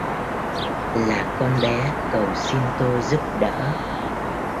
Là con bé cầu xin tôi giúp đỡ